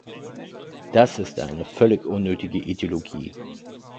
Das ist eine völlig unnötige Ideologie.